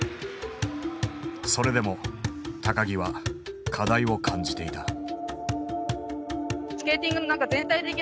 それでも木は課題を感じていた。